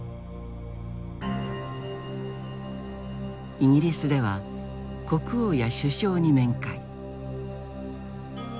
イギリスでは国王や首相に面会。